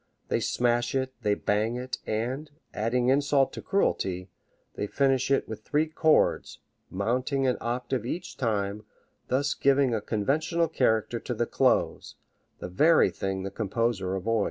They smash it, they bang it, and, adding insult to cruelty, they finish it with three chords, mounting an octave each time, thus giving a conventional character to the close the very thing the composer avoids.